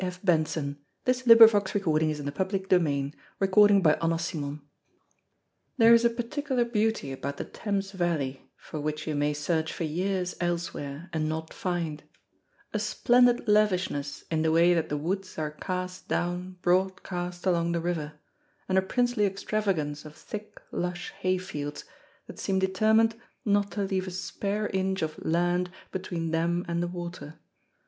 Oh, such a nice gentleman!" "No, I expect it isn't worth while," said Jack. CHAPTER THREE There is a particular beauty about the Thames valley for which you may search for years elsewhere, and not find; a splendid lavishness in the way that the woods are cast down broadcast along the river, and a princely extravagance of thick lush hayfields, that seem determined not to leave a spare inch of land between them and the water.